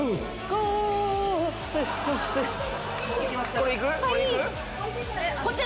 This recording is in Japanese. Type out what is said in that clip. これ行く？